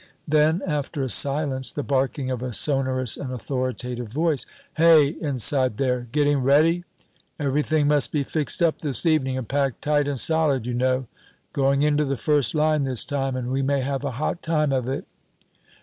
Then, after a silence, the barking of a sonorous and authoritative voice "Hey, inside there! Getting ready? Everything must be fixed up this evening and packed tight and solid, you know. Going into the first line this time, and we may have a hot time of it."